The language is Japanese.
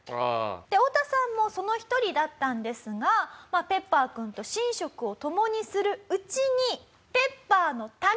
オオタさんもその一人だったんですがペッパーくんと寝食を共にするうちに。